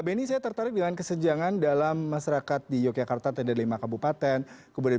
benny saya tertarik dengan kesejangan dalam masyarakat di yogyakarta td lima kabupaten kemudian